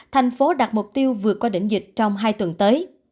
thành phố đặt mục tiêu vượt qua đỉnh dịch trong hai tuần tới